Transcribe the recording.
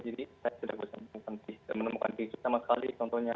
jadi saya sudah bisa menemukan tisu sama sekali